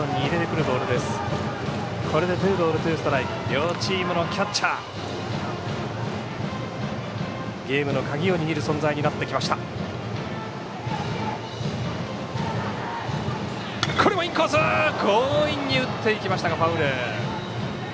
両チームのキャッチャーゲームの鍵を握る存在になってきました。